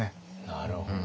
なるほど。